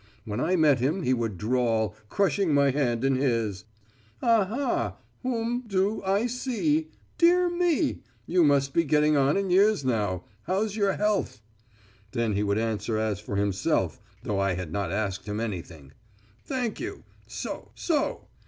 When I met him he would drawl, crushing my hand in his: "Aha! Whom do I see? Dear me! You must be getting on in years now. How's your health?" Then he would answer as for himself, though I had not asked him anything: "Thank you. So so.